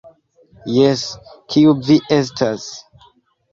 Jes, kiu vi estas?